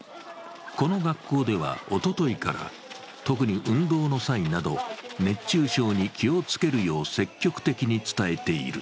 この学校では、おとといから特に運動の際など熱中症に気をつけるよう積極的に伝えている。